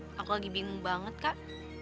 aku lagi bingung banget kak